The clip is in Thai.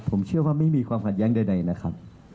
ผมเชื่อว่าไม่มีความขัดแย้งใดนะครับ